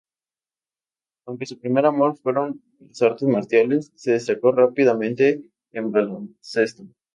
Aunque su primer amor fueron las artes marciales, se destacó rápidamente en baloncesto.